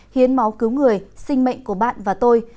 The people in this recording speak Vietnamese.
hiến máu cứu người sinh mệnh của bạn và tôi